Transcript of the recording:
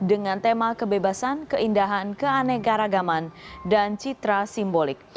dengan tema kebebasan keindahan keanekaragaman dan citra simbolik